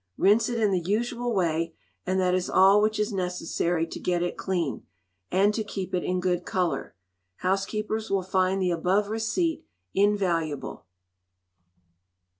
Rinse it in the usual way, and that is all which is necessary to get it clean, and to keep it in good colour. Housekeepers will find the above receipt invaluable.